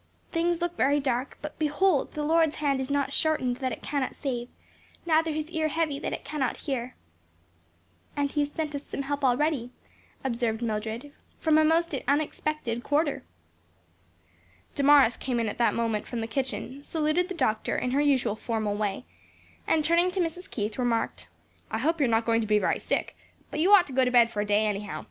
"Things look very dark but 'behold, the Lord's hand is not shortened that it cannot save; neither his ear heavy that it cannot hear.'" "And he has sent us some help already," observed Mildred; "from a most unexpected quarter." Damaris came in at that moment from the kitchen, saluted the doctor in her usual formal way, and turning to Mrs. Keith, remarked, "I hope you're not going to be very sick; but you'd ought to go to bed for to day, anyhow.